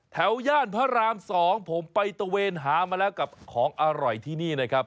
ย่านพระราม๒ผมไปตะเวนหามาแล้วกับของอร่อยที่นี่นะครับ